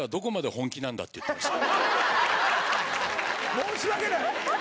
申し訳ない！